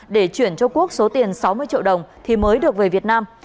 để chuyển cho quốc số tiền sáu mươi triệu đồng thì mới được về việt nam